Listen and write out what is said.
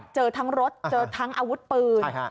เจอทั้งรถเจอทั้งอาวุธปืน